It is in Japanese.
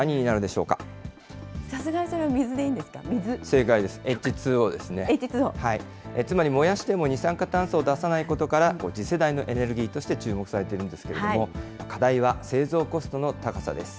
しかし、燃やしても二酸化炭素を出さないことから、次世代のエネルギーとして注目されているんですけれども、課題は製造コストの高さです。